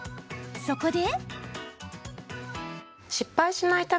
そこで。